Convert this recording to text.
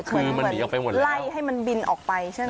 คือมันหนีออกไปหมดเลยไล่ให้มันบินออกไปใช่ไหม